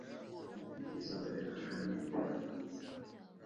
Izuba Rirashe ni ivuka ryiza;